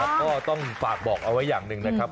ก็ต้องฝากบอกเอาไว้อย่างหนึ่งนะครับ